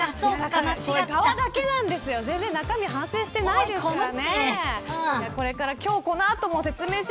顔だけなんですよ、全然中身反省してないですからね。